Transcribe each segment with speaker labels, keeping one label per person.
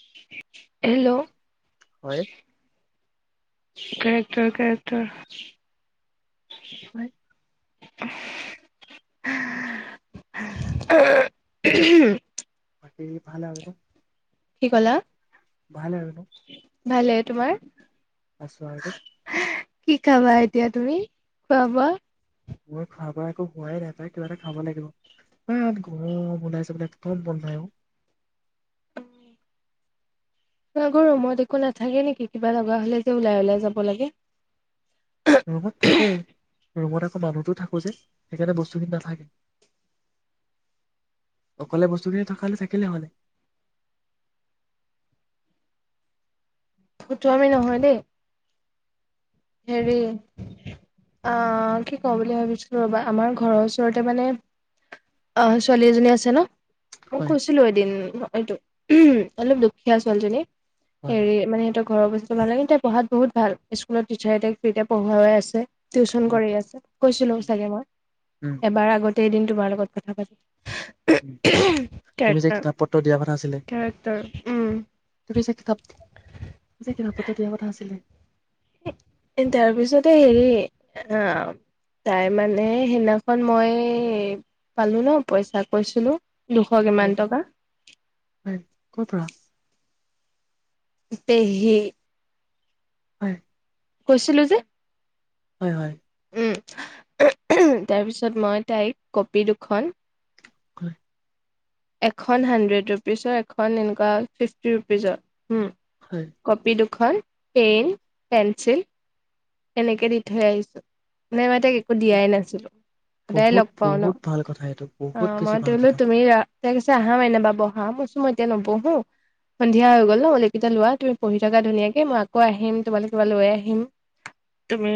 Speaker 1: This [unintelligible]
Speaker 2: হয়
Speaker 1: hello character character!
Speaker 2: হয়।
Speaker 1: উহো উ [inaudible]
Speaker 2: বাকী ভাল আৰু!
Speaker 1: কি কলা?
Speaker 2: ভাল আৰু ন
Speaker 1: ভালে! তোমাৰ?
Speaker 2: আছো আৰু দেই
Speaker 1: কি খাবা এতিয়া তুমি, খোৱা বোৱা?
Speaker 2: মোৰ খোৱা একো হোৱাই নাই, তাই কিবা এটা খাব লাগিব, ইমান গৰম, ওলাই যাবলে একদম মন নাই অ
Speaker 1: উম, [inaudible] নুঘূৰু, ৰুমত একো নাথাকে নেকি? কিবা লগা হলে যে ওলাই ওলাই যাব লাগে!
Speaker 2: ৰুমত থাকে, ৰুমত আকৌ মানুহটো থাকো যে, সেইকাৰণে বস্তুখিনি নাথাকে! অকলে বস্তুখিনি থকে থাকিলে হলে।
Speaker 1: ফতুআমি নহয় দেই হেৰি অঁ কি কওঁ বুলি ভাবিছিলো ৰবা, আমাৰ ঘৰৰ ওচৰতে মানে, অঁ ছোৱালী এজনী আছে ন মই
Speaker 2: হয়
Speaker 1: কৈছিলো এদিন এইটো, অলপ দুখীয়া ছোৱালীজনী
Speaker 2: হয়
Speaker 1: হেৰি মানে সিহঁতক ঘৰৰ বস্তু ভালেকেইতা পঢ়াত বহুত ভাল, স্কুলত টিচাৰট তেতিয়া পঢ়াই আছে টিউচন
Speaker 2: উম
Speaker 1: কৰি আছে, কৈছিলো চাগে
Speaker 2: উম
Speaker 1: মই এবাৰ আগতে কেইদিন তোমাৰ লগত কথা পাতিলে
Speaker 2: তুমি যে কিতাপ পত্ৰ দিয়া কথা আাছিলে
Speaker 1: কেৰেক্টাৰ উম।
Speaker 2: তুমি যে কিতাপ যে কিতাপত্ৰ দিয়া কথা আছিলে
Speaker 1: তাৰ পিছতে হেৰি আহ তাই মানে সেইদিখন মই পালো ন পইচা কৈছিলো দুশ
Speaker 2: হয়
Speaker 1: কিমান টকা
Speaker 2: হয় ক'ৰ পৰা
Speaker 1: তেহেই
Speaker 2: হয়
Speaker 1: কৈছিলো যে
Speaker 2: হয় হয়
Speaker 1: তাৰপিছত মই তাইক কপি দুখন
Speaker 2: হয়
Speaker 1: এখন হাড্ৰেড ৰুপিজৰ এখন এনেকুৱা ফিফটি ৰুপিজৰ উম
Speaker 2: হয়
Speaker 1: কপি দু খন পেইন পেঞ্চিল এনেকে দি থৈ আহিছো নানে মই তাক একো দিয়াই নাছিলো সদায়
Speaker 2: বহুত
Speaker 1: লগ পাওঁ ন
Speaker 2: বহুত ভাল কথা এইটো
Speaker 1: অ
Speaker 2: বহুত বেছি
Speaker 1: মই
Speaker 2: ভাল
Speaker 1: তোলো
Speaker 2: কথা
Speaker 1: তুমি তাই কৈছে আহাম এনেবা বহাচো মই এতিয়া নবহো সন্ধিয়া হৈ গ'ল ন অোলকেইটা লোৱা তুমি পঢ়ি থকা ধুনীয়াকে মই আকৌ আহিম তোমালৈ কিবা লৈ আহিম তুমি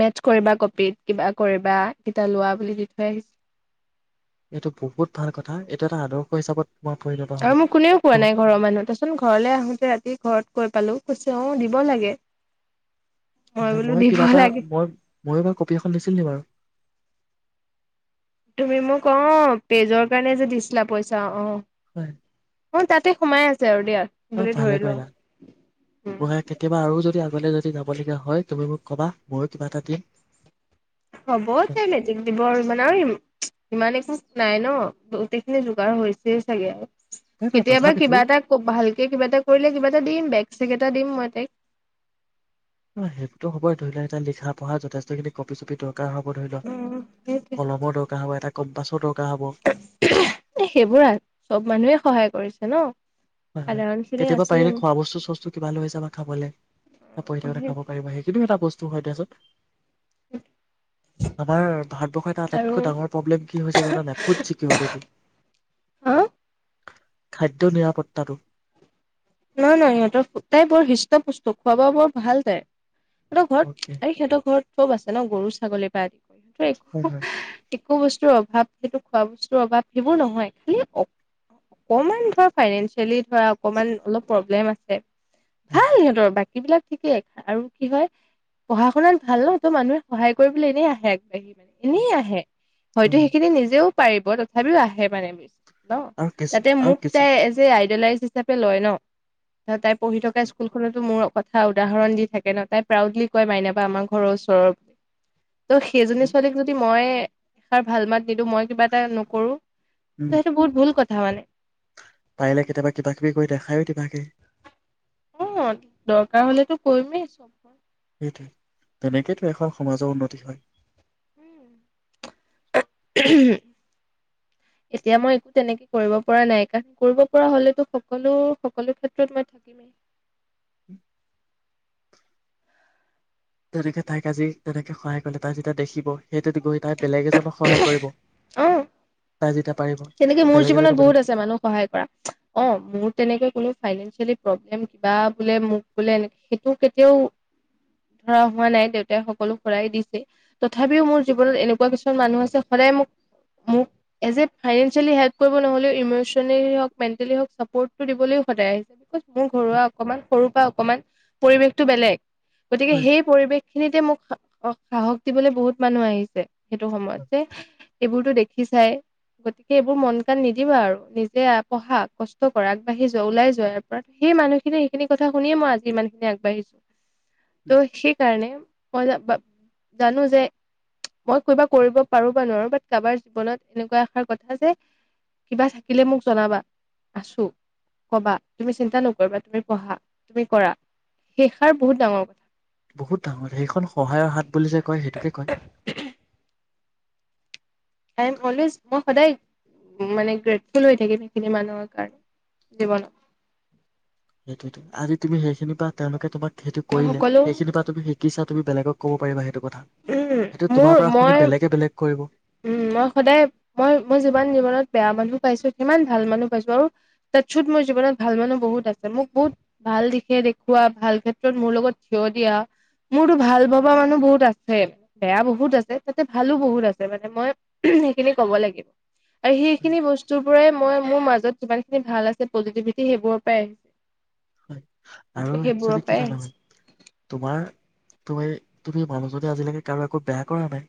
Speaker 1: মেথছ কৰিবা কপিত কিবা কৰিবা কেইটা লোৱা বুলি দি থৈ আহিছো
Speaker 2: এইটো বহুত ভাল কথা এইটো এটা আদৰ্শ হিচাপত তোমাৰ পৰিণত হ'ব
Speaker 1: আৰু মোৰ কোনেও কোৱা
Speaker 2: তোমাক
Speaker 1: নাই ঘৰৰ মানুহ তইচোন ঘৰলৈ আহোতে ৰাতি ঘৰত গৈ পালো কৈছে অ দিব লাগে
Speaker 2: হয়
Speaker 1: বোলো
Speaker 2: মই
Speaker 1: দিব
Speaker 2: কিবা এটা
Speaker 1: লাগে
Speaker 2: মই ময়ো বাৰ কপি এখন দিছিল নি বাৰু
Speaker 1: তুমি মোক অ পেজৰ কাৰণে যে দিছিলা পইচা অ
Speaker 2: হয়
Speaker 1: অ তাতে সোমাই আছছে
Speaker 2: অ ভালে কইনাা
Speaker 1: উম।
Speaker 2: মই কেতিয়াবা আৰু যদি আগলে যদি যাবলগীয়া হয় তুমি মোক ক'বা ময়ো কিবা এটা দিম
Speaker 1: হ'ব তাই মেটিক দিব আৰু মানে আৰু ইমানেো নাই ন গোটেইখিনি যোগাৰ হৈছেই চাগে আৰু
Speaker 2: নাই নাই
Speaker 1: কেতিয়াবা
Speaker 2: তথাপিতো
Speaker 1: কিবা এটা ভালকে কিবা এটা কৰিলে কিবা এটা দিম বেগ চেগ এ দিম মই তাইক
Speaker 2: অ সেইটো হবই ধৰি লোৱা এতিয়া লিখা পঢ়া যথষ্টখিনি কি চপি তো দ হ'ব ধৰি
Speaker 1: উম,
Speaker 2: লওক
Speaker 1: সেইটোৱে
Speaker 2: কলমৰ দৰকাৰ হ'ব এটা কম পাছত
Speaker 1: সেইবোৰ চব মানুহে সহায় কৰে কৰিছে ন
Speaker 2: হয় হয়
Speaker 1: সাধাৰণ খিনি
Speaker 2: কেতিয়াবা
Speaker 1: আছে
Speaker 2: পাৰিলে খোৱা বস্তু চস্তু কিবা লৈ যাবা খাবলৈ পহিথাকোঁতে খাব পাৰিবা সেইখিনি এটা বস্তু হয়, তাৰ পিছত আমাৰ ভাৰতবৰ্ষৰ এতিয়া
Speaker 1: আৰু
Speaker 2: আটাইতকৈ ডাঙৰ প্ৰব্লেম কি হৈছে জানা নে নাই? ফুড চিকিঅ'ৰিটি, টি
Speaker 1: হা
Speaker 2: খাদ্য নিৰাপত্ত তাটো।
Speaker 1: নহয়, নহয়। সিহঁতৰ, তাই বৰ হিষ্ট-পোষ্ট। বস্তু খোৱা-বোৱা বৰ ভাল তাইৰ। সিহঁতৰ ঘৰত,
Speaker 2: অকে
Speaker 1: এই সিহঁতৰ ঘৰত চব আছে ন, গৰু, ছাগলীৰ পা ত'
Speaker 2: হয়
Speaker 1: একো
Speaker 2: হয়
Speaker 1: একো বস্তুৰ অভাৱ, সেইটো খোৱা বস্তুৰ অভাৱ, সেইবোৰ নহয়। খালি অ-অকণমান ধৰা ফাইনেঞ্চিয়েলি ধৰা অকমান, অলপ লেম আছে।
Speaker 2: হয়
Speaker 1: ভাল সিহঁতৰ বাক এইবিলাক ঠিকেই আৰু কি হয় পঢ়া শুনাত ভাল ন! ত' মানুহে সহায় কৰিবলৈ এনেই আহে আগবাঢ়ি মানে, এনেই আহে। হয়তো,
Speaker 2: হয় হয়।
Speaker 1: সেইখিনি নিজেও পাৰি অ, তথাপিও আহে মানে বেছ ন!
Speaker 2: আৰু কিছু
Speaker 1: তাতে
Speaker 2: আৰু
Speaker 1: মোক
Speaker 2: কিছু
Speaker 1: তাই, এজ এ আই [unintelligible] হিচাপে লয় ন! ত-তাই পঢ়ি থকা স্কুলখনতো, মোৰ কথা উদাহৰণ দি থাকে ন! তাই প্ৰাউডলি কয় মাইনাবা আমাৰ ঘৰৰ ওচৰৰ ত' সেইজনী ছোৱালীক যদি মই এ ষাৰ ভাল মাত নিদি মই কিবা এটা নকৰো, ত
Speaker 2: উম
Speaker 1: সেইটো বহুত ভুল কথা [inaudible]
Speaker 2: পাৰিলে কেতিয়াবা কিবা কিবি কৰি দেখায় দিবাগে।
Speaker 1: অ' দৰকাৰ হলেতো কৰিমেই চব মই।
Speaker 2: সেইটোৱে তেনেকেতো এখন সমাজৰ উন্নতি হয়।
Speaker 1: উ এতিয়া মই একো তেনেকে কৰিব পৰা নাই কাৰণ কৰিব পৰা হলেতো সকলো সকলো ক্ষেত্ৰত মই থাকিমেই।
Speaker 2: তেনেকে তাইক আজি তেনেকে সহায় কৰিলে তাই যেতিয়া দেখিব সেইটোত গৈ। তাই বেলেগ এজনক সহায় কৰিব।
Speaker 1: অ
Speaker 2: তাই যেতিয়া পাৰিব
Speaker 1: তেনেকে মোৰ
Speaker 2: বেলেগ এজনে
Speaker 1: জীৱনত
Speaker 2: বেলেগ
Speaker 1: বহুত আছে মানুহক সহায় কৰা অ' মোৰ তেনেকে কোনো ফাইনেঞ্চিয়েলি প্ৰব্লেম কিবা বোলে মোক বোলে সেইটো কেতিয়াও ধৰা হোৱা নাই দেউতাই সকলো সৰাই দিছে তথাপিও মোৰ জীৱনত এনেকুৱা কিছুমান মানুহ আছে সদায় মোক মোক এজ এ ফাইনেঞ্চিয়েলি হেল্প কৰিব নহ'লেও ইমচনেলি হক মেণ্টেলি হক চাপৰ্টটো দিবলৈ সদায় আহিছে [unintelligible] মোৰ ঘৰুৱা অকমান সৰুৰ পৰা অকণমান পৰিৱেশটো বেলেগ গতিকে
Speaker 2: হয়
Speaker 1: সেই পৰিৱেশ খিনিতে মোক সাহস দিবলৈ বহুত মানুহ আহিছে সেইটো সময়ত যে এইবোৰতো দেখিচাই। গতিকে এইবোৰ মন কণ নিদিবা আৰু নিজে পঢ়া কষ্ট কৰা আগবাঢ়ি যোৱা ওলাই যোৱাৰ ইয়াৰ পৰা সেই মানুহখিনি সেইখিনি কথা শুনিয়ে মই আজি মানুহখিনি আগবাঢ়িছো
Speaker 2: উম,
Speaker 1: ত' সেইকাৰণে মই জানো যে মই কিবা কৰিব পাৰোবা নোৱাৰো বা কাৰোবাৰ জীৱনত এনেকুৱা ষাৰ কথা যে কিবা থাকিলে মোক জনাবা আছো কবা তুমি চিন্তা নকৰিবা তুমি পঢ়া তুমি কৰা শেষাৰ বহুত ডাঙৰ কথা।
Speaker 2: বহুত ডাঙৰ সেইখন সহায়ৰ হাত বুলি যে কয় সেইটোকে কয়
Speaker 1: আই এম অলৱেজ মই সদায় মানে গ্ৰেটফুল হৈ থাকিম সেইখিনি মানুহৰ কাৰণে জীৱনত।
Speaker 2: সেইটোতটো আজি তুমি সেইখিনি বা তেওঁলোকে তোমাক সেইটো
Speaker 1: মই
Speaker 2: কৰিলে
Speaker 1: সকলো
Speaker 2: সেইখিনি তুমি শিকিছা তুমি বেলেগক ক'ব পাৰিবাটো।
Speaker 1: উম
Speaker 2: সেইটো
Speaker 1: মোৰ
Speaker 2: তোমাৰ পৰা শুনি
Speaker 1: মই
Speaker 2: বেলেগে বেলেগ কৰিব
Speaker 1: উম, মই সদায় মই- মই যিমান জীৱনত বেয়া মানুহ পাইছো সিমান ভাল মানুহ পাইছো আৰু [unintelligible] মোৰ জীৱনত ভাল মানুহ বহুত আছে মোক বহুত ভাল দিশে দেখুওুৱা ভাল ক্ষেত্ৰত মোৰ লগত থিয় দিয়া মোৰো ভাল ভবা মানুহ বহুত আছে বেয়া বহুত আছে তাতে ভালো বহুত আছে। মানে মই সেইখিনি কব লাগিব আৰু
Speaker 2: হয়
Speaker 1: সেইখিনি বস্তু বোৰে মই মোৰ মাজত যিমান খিনি ভাল আছে পজিটিভিটি সেইবোৰৰ পৰাই আহিছে।
Speaker 2: হয় আৰু
Speaker 1: সেইবোৰৰ
Speaker 2: একচেলি কি
Speaker 1: পৰাই
Speaker 2: জানা,
Speaker 1: আহিছে
Speaker 2: হয় তোমাৰ তুমি তুমি মানুহজনে আজিলৈকে কাৰো একো বেয়া কৰা নাই।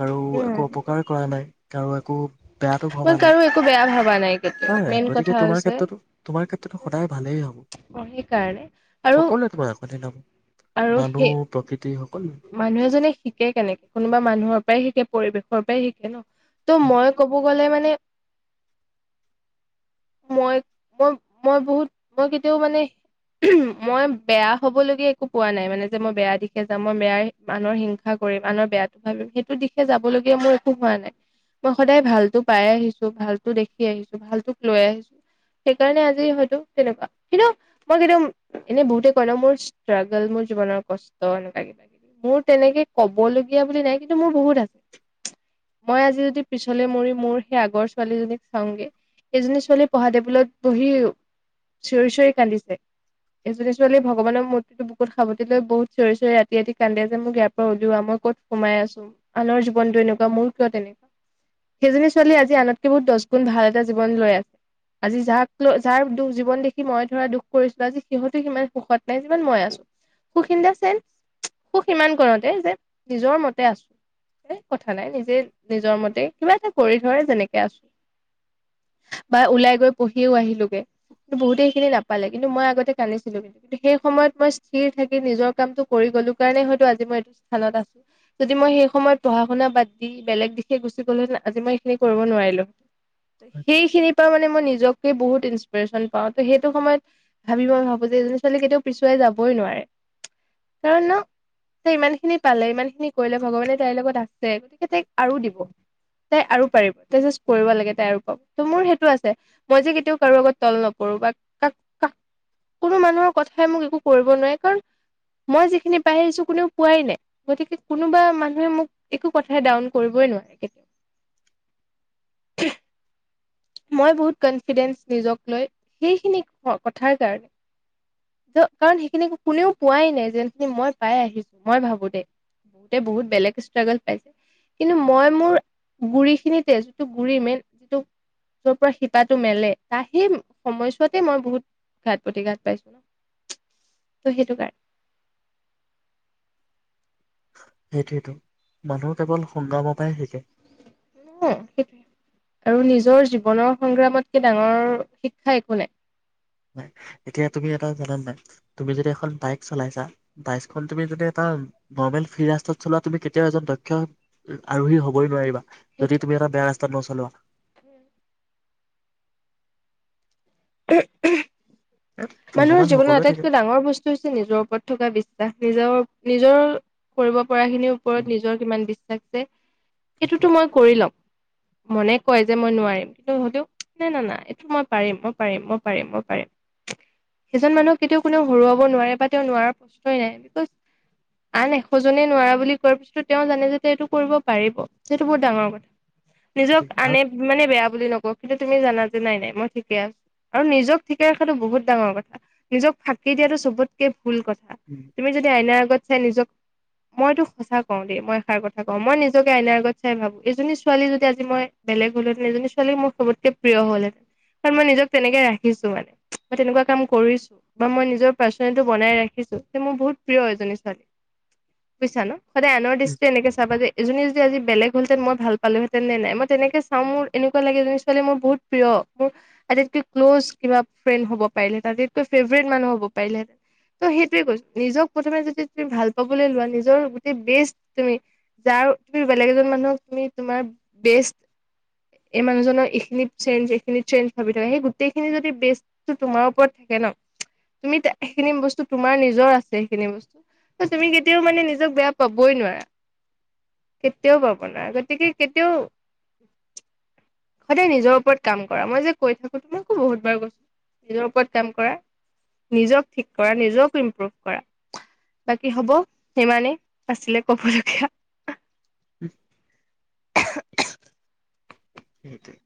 Speaker 2: কাৰো
Speaker 1: উম,
Speaker 2: একো অপকাৰ কৰা নাই। কৰো একো বেয়াাতটো
Speaker 1: মই
Speaker 2: ভবা নাই
Speaker 1: কাৰো একো বেয়া ভাবা নাই কেতিয়াও
Speaker 2: হয়নে',
Speaker 1: মেইন কথা
Speaker 2: গতিকে তোমাৰ
Speaker 1: হৈছে
Speaker 2: ক্ষেত্ৰতো, তোমাৰ ক্ষেত্ৰতো সদায় ভালেই হব।
Speaker 1: অ', সেইকাৰণে আৰু
Speaker 2: সকলোৱে তোমাৰ আপোনে ন
Speaker 1: আৰু
Speaker 2: মানুহ
Speaker 1: সেই
Speaker 2: প্ৰকৃতি। সকলো
Speaker 1: মানুহ এজনে শিকে কেনেকে কোনোবা মানুহৰ পৰাই শিকে, পৰিবেশ ঘৰ পৰাই শিকে ন? ত', মই ক'ব গ'লে মানে মই মই মই বহুত মই কেতিয়াও মানে মই বেয়া হবলগীয়া একো পোৱা নাই মানে যে মই বেয়া দি ঠিক আছে মই বেয়াই মানুহৰ হিংসা কৰিম আনৰ বেয়াতটো ভাবিম সেইটো দিশে যাব লগগীয়া মোৰ একো হোৱা নাই মই সদায় ভালতো পাই আহিছো ভালো দেখি আহিছো ভালটোক লৈ আহিছো সেইকাৰণে আজি হয়তো তেনেকুৱা, কিন্তু মই কিন্তু এনেই বহুতে কয় ন', মোৰ ষ্ট্ৰাগল মোৰ জীৱনৰ কষ্ট এনেকা কিবা কিবি মোৰ তেনেকে কবলগীয়া বুলি নাই কিন্তু মোৰ বহুত আছে। ‌ মই আজি যদি পিছলে মৰি মোৰ সেই আগৰ ছোৱালীজনীক চাওঁগে সজনী ছোৱালী পঢ়া টেবুলত বহি চিঞৰি-চিঞৰি কান্দিছে এজনী ছোৱালী ভগৱানৰ মূৰ্তিটো বুকুত খাৱতি লৈ বহুত চৰি -চৰি ৰাতি -ৰাতি কান্দে যে মোৰ ইয়াৰ পৰা উলিওৱা মই ক'ত সোমাই আছো আনৰ জীৱনটো এনেকুৱা মোৰ কিয় তেনেকুৱা সেইজনী ছোৱালীয়ে আজি আনতকে বহুত দহ গুণ ভাল এটা জীৱন লৈ আছে আজি যাক লৈ যাৰ দুখ জীৱন দেখি মই ধৰা দুখ কৰিছিলো আজি সিহঁতে সিমান সুখত নাই যিমান মই আছো সুখা সুখ ইমান কৰতে যে নিজৰ মতে আছো এ, কথা নাই নিজে নিজৰ মতে কিবা এটা কৰি থৰে যেনেকে আছো বা ওলাই গৈ পঢ়িও আহিলোগে কিন্তু বহুতেখিনি নাপালে কিন্তু মই আগতে কান্দিছিলো কিন্তু কিন্তু সেই সময়ত মই স্থিৰ থাকি নিজক কামটো কৰি গ'লো কাৰণে হয়তো আজি মই এইটো স্থানত আছো যদি মই সেই সময়ত পঢ়া শুনা বাদ দি বেলেগ দিশে গুচি গলোহেতেন আজি মই সেইখিনি কৰিব নোৱাৰিলো। সেইখিনিৰ পৰা মানে মই নিজক বহুত ইনসপিৰেশচন পাওঁ ত সেইটো সময়ত ভাবি মই ভাবো যে এজনী ছোৱালী কেতিয়াও পিছুৱাই যাবই নোৱাৰে। কাৰণ ন তাই ইমান খিনি পালে ইমান খিনি কৰিলে ভগৱানে তাইৰ লগত আছে গতিকে তাইক আৰু দিব তাই আৰু পাৰিব তাই জাষ্ট কৰিব লাগে তাই আৰু পাব ত মোৰ সেইটো আছে মই যে কেতিয়াও কাৰো আগত তল নকৰো বা কাক কাক কোনো মানুহৰ কথাই মোক একো কৰিব নোৱাৰে কাৰণ মই যিখিনি পাই আহিছো কোনেও পোৱাই নাই গতিকে কোনোবা মানুহে মোক একো কথাই ডাউন কৰিবই নোৱাৰে কেতিয়াও। মই বহুত কনফিডেঞ্চ নিজক লৈ সেইখিনি কথাৰ কাৰ কাৰণ সেইখিনি কোনেও পোৱাই নাই যেনখিনি মই পাই আহিছো মই ভাবো দে বহুতে বহুত বেলেগ ষ্ট্ৰাগল পাইছে কিন্তু মই মোৰ গুৰিখিনিতে যিটো গুৰি মেইন যিটো তোৰ পৰা শিপাটো মেলে তাৰ সেই সময়ছোৱাতে মই বহুত ঘাত প্ৰতিঘাত পাইছো ন ত সেইটো কাৰণে।
Speaker 2: সেইটোৱেতো মানুহ কেৱল সংগ্ৰামৰ পৰা শিকে।
Speaker 1: সেইটো আৰু নিজৰ জীৱনৰ সংগ্ৰামতকে ডাঙৰ শিক্ষা একো নাই।
Speaker 2: ন', এতিয়া তুমি এটা জানা নাই তুমি যদি এখন বাইক চলাইছা বাইকখন তুমি যদি এটা নৰ্মেল ফিৰাস্তত চলোৱা তুমি কেতিয়াও এজন দক্ষ আৰোহী হ'বই নোৱাৰিবা। যদি তুমি
Speaker 1: সেইটোৱে
Speaker 2: এটা বেয়া ৰাস্তাত [inaudible] এ
Speaker 1: [inaudible] মানুহৰ
Speaker 2: ভগৱান
Speaker 1: জীৱনত
Speaker 2: সকলোৱে থাকে
Speaker 1: আটাইতকৈ ডাঙৰ বস্তু হৈছে নিজৰ ওপৰত থকা বিশ্বাস নিজৰ নিজৰ কৰিব পঢ়া খিনিৰ
Speaker 2: উম
Speaker 1: ওপৰত নিজৰ কিমান বিশ্বাস। [inaudible]
Speaker 2: সেইটো
Speaker 1: এইটোতো মই কৰি লম। মনে কয় যে মই নোৱাৰিম কিন্তু হলেও নাই ন না এইটো মই পাৰিম। পাৰিম মই -পাৰিম মই পাৰিম সেইজন মানুহক কেতিয়াও কোনেও হৰুৱাব নোৱাৰে বা তেওঁ নোৱাৰা প্ৰশ্নই নাই বিকজ আন এশজনে নোৱাৰা বুলি কোৱাৰ পিছতো তেওঁ জানে যে এইটো কৰিব পাৰিব সেইটো বহুত ডাঙৰ কথা। নিজক
Speaker 2: সেইটোৱে আৰু
Speaker 1: আনে মানে বেয়া বুলি নকওঁ কিন্তু তুমি জানা যে নাই নাই মই ঠিকে আছো আৰু নিজক ঠিকেই ৰাখাতটো বহুত ডাঙৰ কথা নিজক ফাঁকি দিয়াাতটো চবতকে ভুল কথা
Speaker 2: উম
Speaker 1: তুমি যদি আইনা ত চাই নিজক মইতো সঁচা কওঁ দেই মই এষাৰ কথা কওঁ মই নিজকে আইনাৰ আগত চাই ভাবো এইজনী ছোৱালী যদি আজি মই বেলেগ হ'লহেঁতেন এইজনী ছোৱালী মোৰ সবতকে প্ৰিয় হ'লহেতেন কাৰণ মই নিজক তেনেকে ৰাখিছো মানে মই তেনেকুৱা কাম কৰিছো বা মই নিজৰ পাৰ্চনেলিটো বনাই ৰাখিছো যে মোৰ বহুত প্ৰিয় এইজনী ছোৱালী বুজিছা নে সদায় আনৰ
Speaker 2: উম
Speaker 1: দৃষ্টি ৰে এনেকে চাবা যে এজনী আজি বেলেগ হলহতেন মই ভাল পালো হেতেন নে নাই মই তেনেকে চাও মোৰ এনেকুৱা লাগে যে ছোৱালী মোৰ বহুত প্ৰিয় মোৰ আটাইতকৈ ক্ল'জ কিবা ফ্ৰেণ্ড হ'ব পাৰিলে আটাইতকৈ ফেভাৰট মানুহ হ'ব পাৰিলেঁহেতেন ত সেইটোৱে কৈছো নিজক প্ৰথমে যদি তুমি ভাল পাবলৈ লোৱা নিজৰ গোটেই বেষ্ট তুমি যাৰ তুমি বেলেগ এজন মানুহক তুমি তোমাৰ বেষ্ট এই মানুহজনৰ এইখিনি চেঞ্জ এইখিনি চেঞ্জ ভাবি থাকা সেই গোটেইখিনি যদি বেষ্টটো তোমাৰ ওপৰত থাকে ন তুমি সেইখিনি বস্তু তোমাৰ নিজৰ আছে সেইখিনি বস্তু তুমি কেতিয়াও মানে নিজক বেয়া পাবই নোৱাৰা কেতিয়াও পাব নোৱাৰা গতিকে কেতিয়াও সদায় নিজৰ ওপৰত কাম কৰা মই যে কৈ থাকো তোমাকো বহুত বাৰ কৈছো নিজৰ ওপৰত কাম কৰা নিজক ঠিক কৰা নিজক ইম্প্ৰুভ কৰা বাকী হ'ব সিমানেই আছিলে কবলগীয়া
Speaker 2: উম সেইটোৱেই